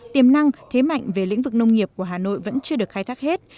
tiềm năng thế mạnh về lĩnh vực nông nghiệp của hà nội vẫn chưa được khai thác hết